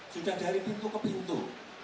sudah dari pintu ke pintu